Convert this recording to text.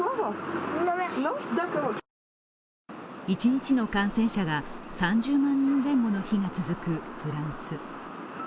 一日の感染者が３０万人前後の日が続くフランス。